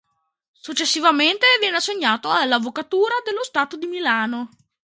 Successivamente viene assegnato all'Avvocatura dello Stato di Milano.